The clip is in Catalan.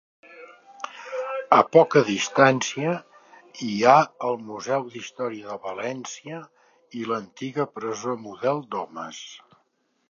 A poca distància hi ha el Museu d'Història de València i l'antiga Presó Model d'Homes.